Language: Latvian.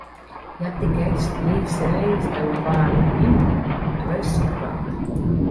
Ja tik es trīs reiz tavu vārdu minu, tu esi klāt.